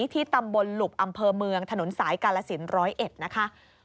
ที่ตำบลหลุบอำเภอเมืองถนนสายกาลสิน๑๐๑นะคะ